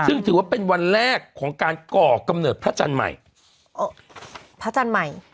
ซึ่งถือว่าเป็นวันแรกของการก่อกำเนิดพระจันทร์ใหม่พระจันทร์ใหม่